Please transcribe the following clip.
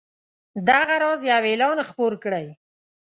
دغه راز یو اعلان خپور کړئ.